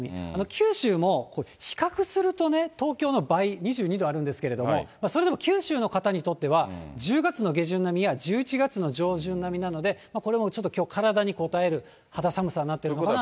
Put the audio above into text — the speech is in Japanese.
九州も比較するとね、東京の倍、２２度あるんですけれども、それでも九州の方にとっては、１０月の下旬並みや１１月の上旬並みなので、これもちょっと体にこたえる肌寒さになっているかなと。